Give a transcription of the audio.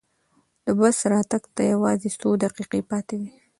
د بس راتګ ته یوازې څو دقیقې پاتې وې.